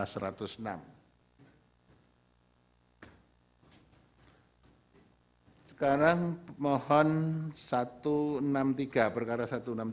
sekarang mohon satu ratus enam puluh tiga perkara satu ratus enam puluh